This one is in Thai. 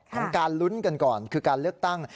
ของการลุ้นกันก่อนคือการเลือกตั้ง